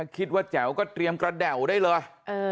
แจ๋วก็เตรียมกระแด่วได้เลย